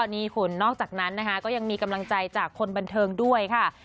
นี่คุณนอกจากนั้นนะคะก็ยังมีกำลังใจจากคนบันเทิงด้วยค่ะ